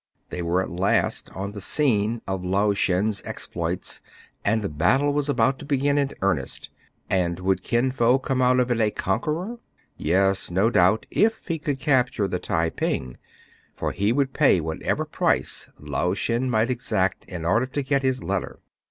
They were at last on the scene of Lao Shen's exploits, and the battle was about to begin in ear nest ; and would Kin Fo come out of it a conqueror? Yes, no doubt, if he could capture the Tai ping ; for he would pay whatever price Lao Shen might exact, in order to get his letter.